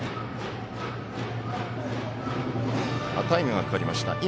タイムがかかりました。